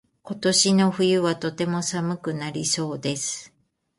今年の冬はとても寒くなりそうです。